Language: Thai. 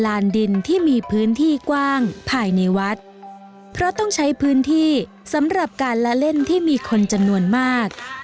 ลานดินที่มีพื้นที่กว้างภายในวัดเพราะต้องใช้พื้นที่สำหรับการละเล่นที่มีคนจำนวนมาก